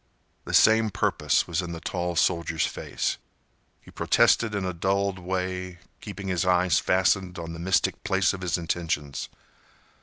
The same purpose was in the tall soldier's face. He protested in a dulled way, keeping his eyes fastened on the mystic place of his intentions.